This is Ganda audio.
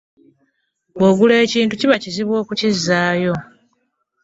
Bw'ogula ekintu kiba kizibu okukizzaayo.